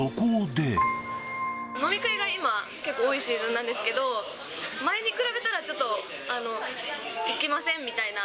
飲み会が今、結構多いシーズンなんですけど、前に比べたら、ちょっと、行きませんみたいな。